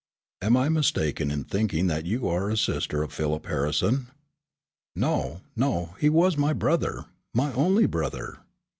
Am I mistaken in thinking that you are a sister of Philip Harrison?" "No, no, he was my brother, my only brother."